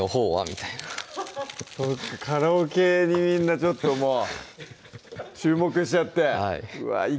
みたいなカラオケにみんなちょっともう注目しちゃってはいうわ